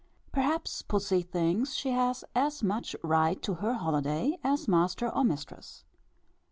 Perhaps pussy thinks she has as much right to her holiday, as master or mistress.